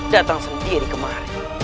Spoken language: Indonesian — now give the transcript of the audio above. datang sendiri kemari